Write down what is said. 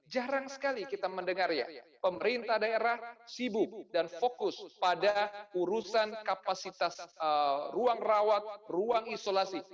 jarang sekali kita mendengar ya pemerintah daerah sibuk dan fokus pada urusan kapasitas ruang rawat ruang isolasi